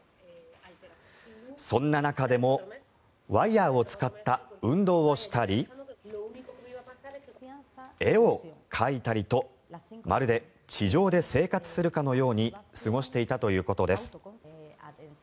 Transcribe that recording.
そんな中でもワイヤを使った運動をしたり絵を描いたりとまるで地上で生活するかのように過ごしていたということです。